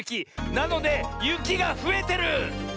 なのでゆきがふえてる！